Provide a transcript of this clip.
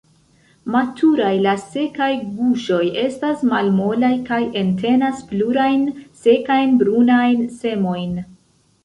Maturaj, la sekaj guŝoj estas malmolaj kaj entenas plurajn, sekajn, brunajn semojn.